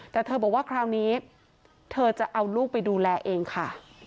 แต่เธอบอกว่าคราวนี้เธอจะเอาลูกไปดูแลเองค่ะ